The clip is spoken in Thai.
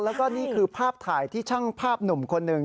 แล้วก็นี่คือภาพถ่ายที่ช่างภาพหนุ่มคนหนึ่ง